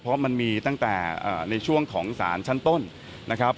เพราะมันมีตั้งแต่ในช่วงของสารชั้นต้นนะครับ